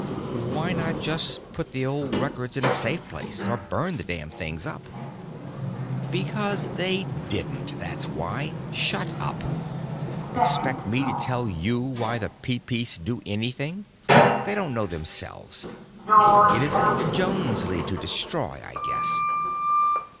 "Why not just put the old records in a safe place—or burn the damn things up?" "Because they didn't, that's why. Shut up! Expect me to tell you why the Peepeece do anything? They don't know themselves. It isn't Jonesly to destroy, I guess."